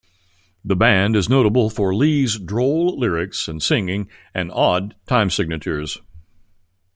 The band is notable for Lee's droll lyrics and singing and odd time signatures.